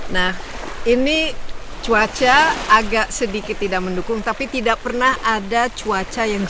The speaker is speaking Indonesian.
nah ini cuaca agak sedikit tidak mendukung tapi tidak pernah ada cuaca yang cukup